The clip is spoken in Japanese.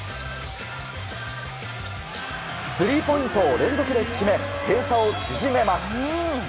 スリーポイントを連続で決め点差を縮めます。